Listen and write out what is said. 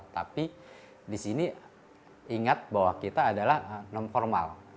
tapi disini ingat bahwa kita adalah non formal